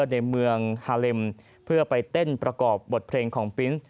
ในเมืองฮาเลมเพื่อไปเต้นประกอบบทเพลงของปริ้นต์